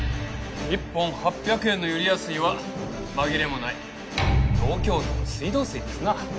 一本８００円のユリヤ水は紛れもない東京都の水道水ですな。